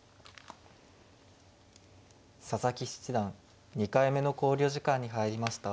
佐々木七段２回目の考慮時間に入りました。